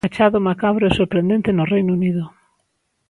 Achado macabro e sorprendente no Reino Unido.